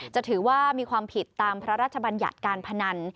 จะถือว่ามีความผิดตามพระราชบัญญัติการพนัน